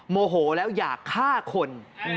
โมโหแล้วอยากฆ่าคน